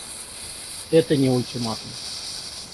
Это не ультиматум.